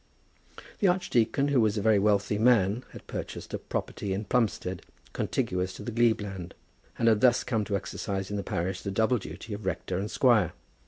The archdeacon, who was a very wealthy man, had purchased a property in Plumstead, contiguous to the glebe land, and had thus come to exercise in the parish the double duty of rector and squire.